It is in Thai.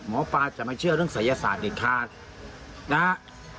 หมอปลาจะมาเชื่อเรื่องศัยศาสตร์เด็ดขาดนะฮะ